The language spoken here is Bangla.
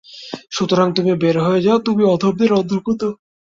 সুতরাং তুমি বের হয়ে যাও, তুমি অধমদের অন্তর্ভুক্ত।